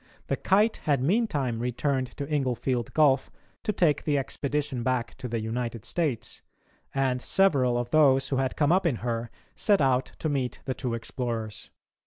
The Kite had meantime returned to Inglefield Gulf to take the expedition back to the United States, and several of those who had come up in her set out to meet the two explorers.